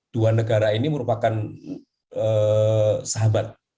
dua negara ini merupakan sahabat